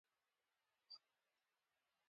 خوړل د پخلي وخت ته ارزښت ورکوي